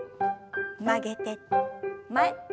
曲げて前。